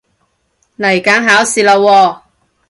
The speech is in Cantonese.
嚟緊考試喇喎